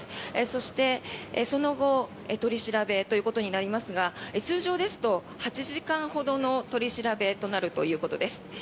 そして、その後取り調べということになりますが通常ですと８時間ほどの取り調べとなるということです。